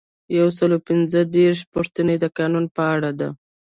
یو سل او پنځه دیرشمه پوښتنه د قانون په اړه ده.